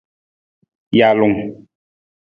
Jalung.